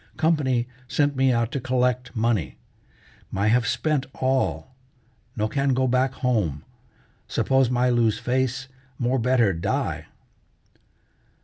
"Company sent me out to collect money. My have spent all. No can go back home. Suppose my lose face, more better die!"